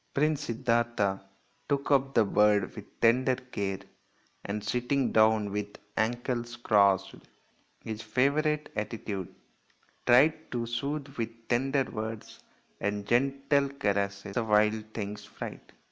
Prince Siddartha took up the bird with tender care, and sitting down with ankles crossed his favourite attitude tried to soothe with tender words and gentle caresses the wild thing's fright.